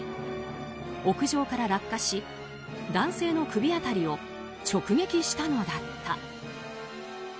屋上から落下し男性の首辺りを直撃したのだった。